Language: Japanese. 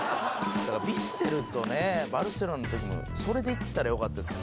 だからヴィッセルとバルセロナの時もそれで行ったらよかったですね。